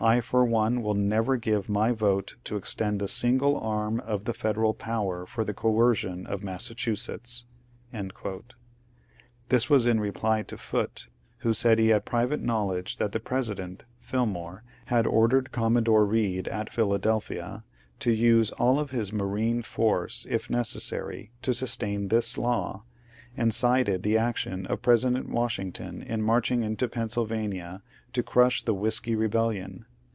I for one will never give my vote to extend a single arm of the Federal {)ower for the coercion of Massachusetts." This was in reply to Foote, who said he had private knowledge that the President, Fillmore, had ordered Commodore Bead at Philadelphia to use all of his marine force if necessary to sustain this law, and cited the action of President Washington in marching into Pennsylvania to crush the " Whiskey Bebellion."